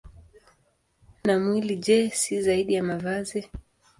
Na mwili, je, si zaidi ya mavazi?